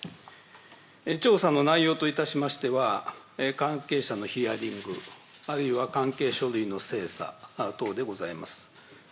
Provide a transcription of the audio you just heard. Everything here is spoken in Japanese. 調査の内容といたしましては関係者のヒアリング、あるいは関係書類の精査等でございます。